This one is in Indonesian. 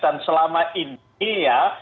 dan selama ini ya